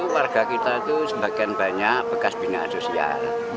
warga kita itu sebagian banyak bekas binaan sosial